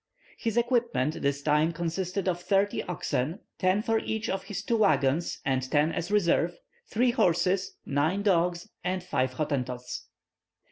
His equipment this time consisted of thirty oxen ten for each of his two waggons, and ten as reserve three horses, nine dogs, and five Hottentots.